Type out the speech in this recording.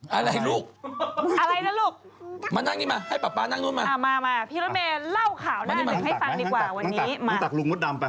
อ่ะอะไรลุกอะไรนะลูกมานั่งนี่มาให้ป๊าป๊านั่งนู้นมา